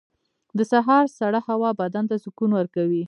• د سهار سړه هوا بدن ته سکون ورکوي.